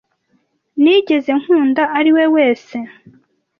nigeze nkunda ari we wese.